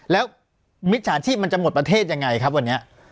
แล้วมิจฉาชีพมันจะหมดประเทศยังไงครับวันนี้